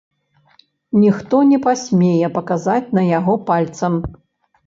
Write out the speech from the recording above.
Ніхто не пасмее паказаць на яго пальцам.